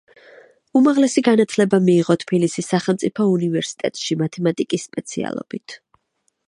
უმაღლესი განათლება მიიღო თბილისის სახელმწიფო უნივერსიტეტში მათემატიკის სპეციალობით.